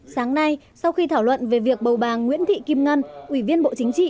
sáng nay sau khi thảo luận về việc bầu bà nguyễn thị kim ngân ủy viên bộ chính trị